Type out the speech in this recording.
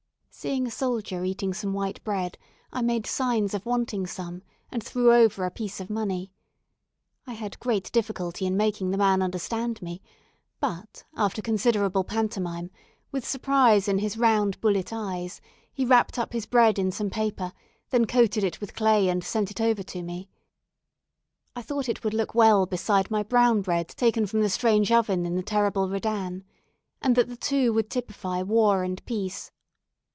Seeing a soldier eating some white bread, I made signs of wanting some, and threw over a piece of money. I had great difficulty in making the man understand me, but after considerable pantomime, with surprise in his round bullet eyes, he wrapped up his bread in some paper, then coated it with clay and sent it over to me. I thought it would look well beside my brown bread taken from the strange oven in the terrible Redan, and that the two would typify war and peace.